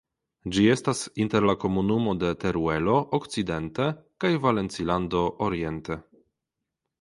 Ĝi estas inter la Komunumo de Teruelo okcidente kaj Valencilando oriente.